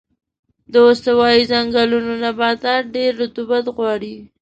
د استوایي ځنګلونو نباتات ډېر رطوبت غواړي.